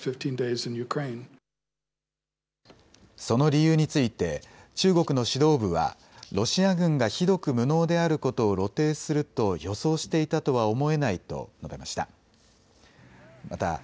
その理由について中国の指導部はロシア軍がひどく無能であることを露呈すると予想していたとは思えないと述べました。